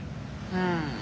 うん。